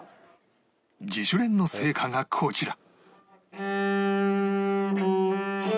自主練の成果がこちら